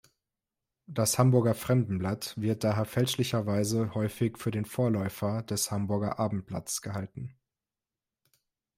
Das "Hamburger Fremdenblatt" wird daher fälschlicherweise häufig für den Vorläufer des "Hamburger Abendblatts" gehalten.